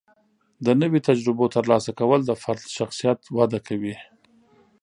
د نوي تجربو ترلاسه کول د فرد شخصیت وده کوي.